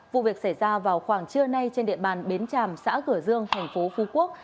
vụ việc xảy ra vào khoảng trưa nay trên địa bàn bến tràm xã cửa dương thành phố phú quốc